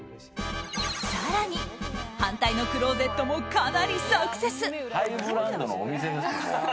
更に、反対のクローゼットもかなりサクセス。